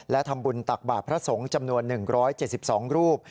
และทำบุญตักบาทพระสงฆ์จำนวน๑๗๒รูป